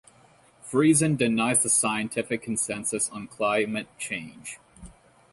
Friesen denies the scientific consensus on climate change.